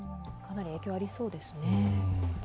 かなり影響がありそうですね。